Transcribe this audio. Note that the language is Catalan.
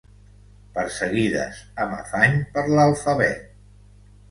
Perseguides amb afany per l'alfabet.